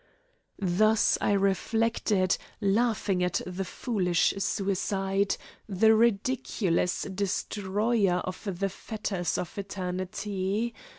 Thus I reflected, laughing at the foolish suicide, the ridiculous destroyer of the fetters of eternity.